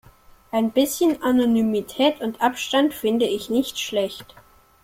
Ein bisschen Anonymität und Abstand finde ich nicht schlecht.